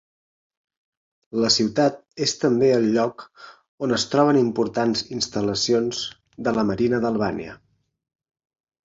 La ciutat és també el lloc on es troben importants instal·lacions de la Marina d'Albània.